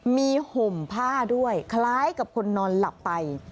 มีห่มผ้าด้วยคล้ายกับคนนอนหลับไป